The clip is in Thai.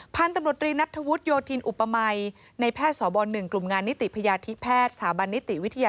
พันธุ์ตำรวจรีนัทวุฒิโยธีนอุปมัยในแพทย์สถหนึ่งกลุ่มงานนิติพยาทิแพทย์